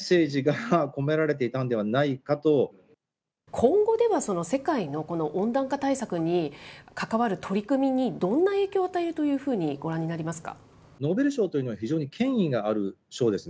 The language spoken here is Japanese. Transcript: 今後、では、世界のこの温暖化対策に関わる取り組みにどんな影響を与えるというふうにご覧になりますか。